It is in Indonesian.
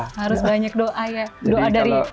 harus banyak doa ya